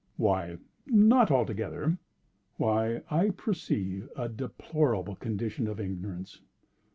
"Why, not altogether." "Ah, I perceive—a deplorable condition of ignorance!